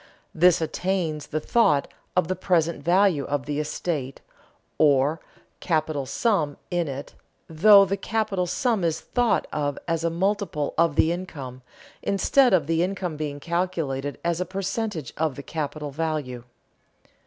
This attains the thought of the present value of the estate, or capital sum in it, though the capital sum is thought of as a multiple of the income, instead of the income being calculated as a percentage of the capital value.